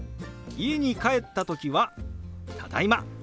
家に帰った時は「ただいま」